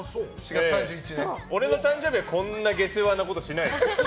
俺の誕生日はこんな下世話なことしないです。